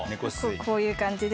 こういう感じで。